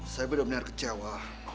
saya benar benar kecewa